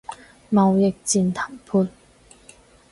貿易戰談判